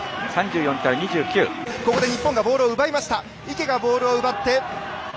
ここで日本がボールを奪いました。